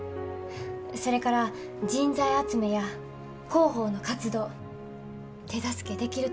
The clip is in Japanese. それから人材集めや広報の活動手助けできると思うんです。